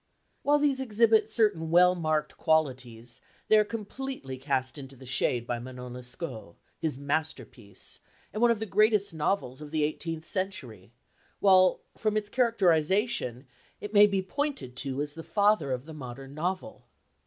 While these exhibit certain well marked qualities, they are completely cast into the shade by Manon Lescaut, his masterpiece, and one of the greatest novels of the eighteenth century, while, from its characterisation, it may be pointed to as the father of the modern novel.